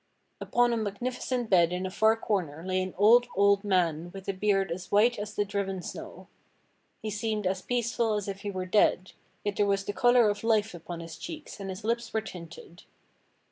Upon a magnificent bed in a far corner lay an old, old man with a beard as white as the driven snow. He seemed as peaceful as if he were dead, yet there was the color of life upon his cheeks and his 104 THE STORY OF KING ARTHUR lips were tinted.